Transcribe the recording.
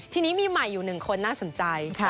ทีนี้มีใหม่อยู่๑คนน่าสนใจ